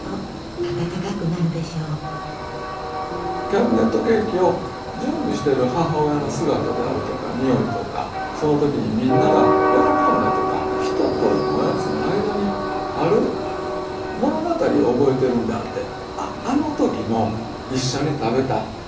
キャビネットケーキを準備している母親の姿であるとか匂いとかその時にみんなが喜んだとか人とおやつの間にある物語を覚えているんであって。